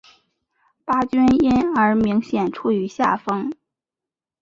巴军因而明显处于下风。